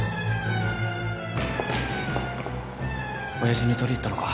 親父に取り入ったのか？